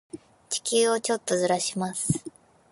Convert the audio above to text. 地球をちょっとずらします。